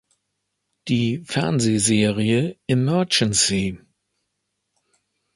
Die Fernsehserie "Emergency!